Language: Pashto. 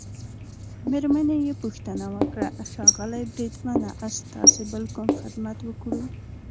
مېرمنې يې پوښتنه وکړه: ښاغلی بریدمنه، ستاسي بل کوم خدمت وکړو؟